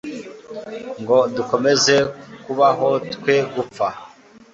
ngo dukomeze kubaho twe gupfa